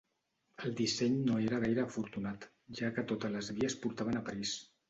El disseny no era gaire afortunat, ja que totes les vies portaven a París.